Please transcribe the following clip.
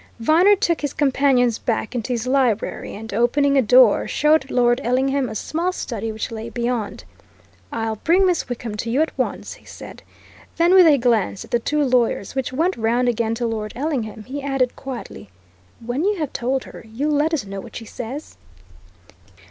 Viner took his companions back into his library, and opening a door, showed Lord Ellingham a small study which lay beyond. "I'll bring Miss Wickham to you at once," he said. Then, with a glance at the two lawyers, which went round again to Lord Ellingham, he added quietly, "When you have told her, you'll let us know what she says?"